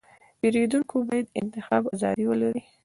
پیرودونکی باید د انتخاب ازادي ولري.